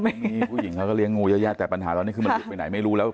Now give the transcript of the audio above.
ผู้หญิงเขาก็เลี้ยงูเยอะแยะแต่ปัญหาตอนนี้คือมันหลุดไปไหนไม่รู้แล้ว